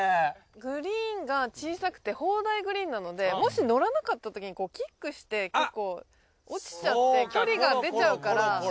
グリーンが小さくて砲台グリーンなのでもしのらなかったときにキックして結構落ちちゃって距離が出ちゃうから。